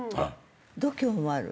度胸もある。